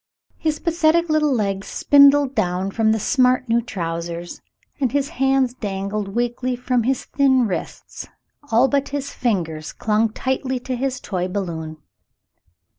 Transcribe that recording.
His pathetic little legs spindled down from the smart new trousers, and his hands dangled weakly from his thin wrists, albeit his fingers clung tightly to his toy balloon.